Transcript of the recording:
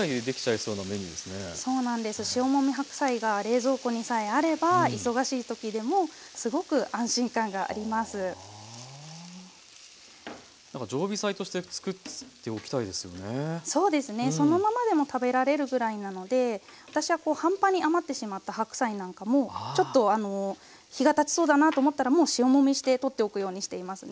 そうですねそのままでも食べられるぐらいなので私はこう半端に余ってしまった白菜なんかもちょっとあの日がたちそうだなと思ったらもう塩もみして取っておくようにしていますね。